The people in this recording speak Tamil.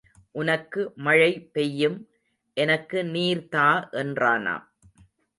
உனக்கு மழை பெய்யும், எனக்கு நீர் தா என்றானாம்.